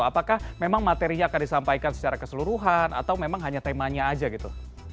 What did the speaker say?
apakah memang materinya akan disampaikan secara keseluruhan atau memang hanya temanya aja gitu